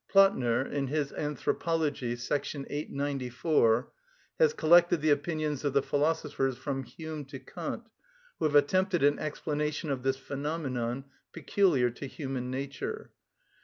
Platner, in his "Anthropology," § 894, has collected the opinions of the philosophers from Hume to Kant who have attempted an explanation of this phenomenon peculiar to human nature.